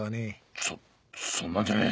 そそんなんじゃねえ。